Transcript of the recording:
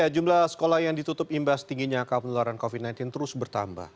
jumlah sekolah yang ditutup imbas tingginya angka penularan covid sembilan belas terus bertambah